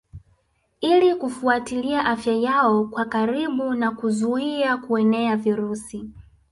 Ili kufuatilia afya yao kwa karibu na kuzuia kueneza virusi